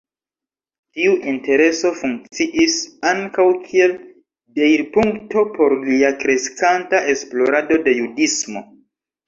Tiu intereso funkciis ankaŭ kiel deirpunkto por lia kreskanta esplorado de judismo.